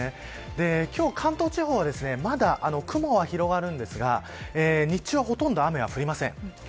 今日、関東地方はまだ雲が広がるんですが日中はほとんど雨が降りません。